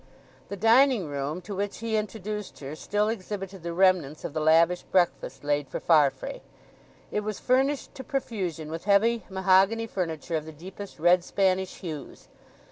The dining room to which he introduced her still exhibited the remnants of the lavish breakfast laid for Farfrae. It was furnished to profusion with heavy mahogany furniture of the deepest red Spanish hues.